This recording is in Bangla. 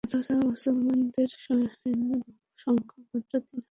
অথচ মুসলমানদের সৈন্য সংখ্যা মাত্র তিন হাজার।